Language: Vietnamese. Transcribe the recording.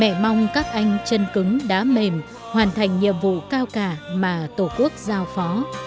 mẹ mong các anh chân cứng đã mềm hoàn thành nhiệm vụ cao cả mà tổ quốc giao phó